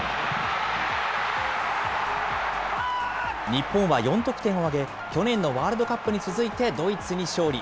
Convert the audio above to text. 日本は４得点を挙げ、去年のワールドカップに続いてドイツに勝利。